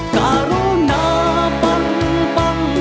การุณาปังปัง